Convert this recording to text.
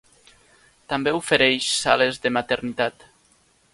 També ofereix sales de maternitat.